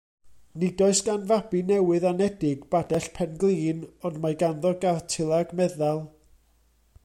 Nid oes gan fabi newydd anedig badell pen-glin, ond mae ganddo gartilag meddal.